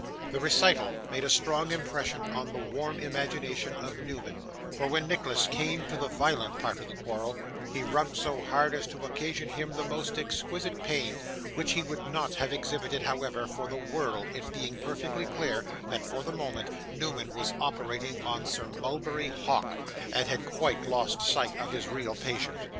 The recital made a strong impression on the warm imagination of Newman; for when Nicholas came to the violent part of the quarrel, he rubbed so hard, as to occasion him the most exquisite pain, which he would not have exhibited, however, for the world, it being perfectly clear that, for the moment, Newman was operating on Sir Mulberry Hawk, and had quite lost sight of his real patient.